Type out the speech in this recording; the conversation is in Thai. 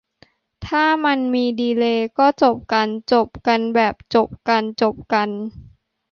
ถ้ามันมีดีเลย์ ก็จบกัน จบกันแบบจบกันจบกัน